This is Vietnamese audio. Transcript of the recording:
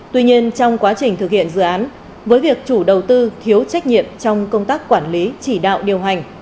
tuy nhiên trong quá trình thực hiện dự án với việc chủ đầu tư thiếu trách nhiệm trong công tác quản lý chỉ đạo điều hành